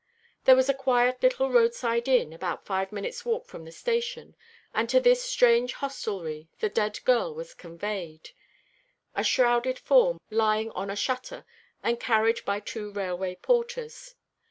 There was a quiet little roadside inn, about five minutes' walk from the station, and to this strange hostelry the dead girl was conveyed, a shrouded form lying on a shutter, and carried by two railway porters.